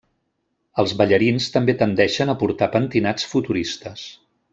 Els ballarins també tendeixen a portar pentinats futuristes.